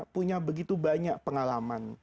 punya begitu banyak pengalaman